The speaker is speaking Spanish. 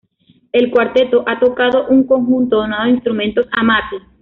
El cuarteto ha tocado un conjunto donado de instrumentos Amati.